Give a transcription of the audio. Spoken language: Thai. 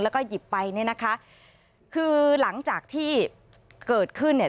แล้วก็หยิบไปเนี่ยนะคะคือหลังจากที่เกิดขึ้นเนี่ย